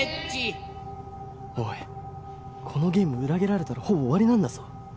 おいこのゲーム裏切られたらほぼ終わりなんだぞ。